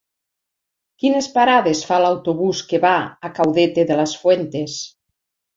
Quines parades fa l'autobús que va a Caudete de las Fuentes?